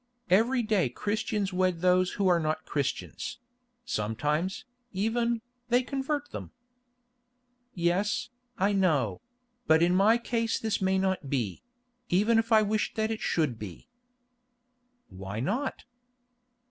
Every day Christians wed those who are not Christians; sometimes, even, they convert them." "Yes, I know; but in my case this may not be—even if I wished that it should be." "Why not?"